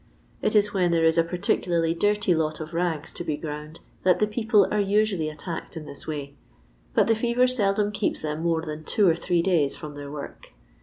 It is when there is a par ticulariy dirty lot of rags to be ground that the people are nsnally attacked in this way, but the fever seldom keeps them more than two or three days firom their work.